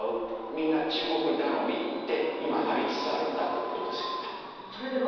みんな中国頼みって今なりつつあるんだって事ですよね。